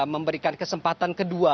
memberikan kesempatan kedua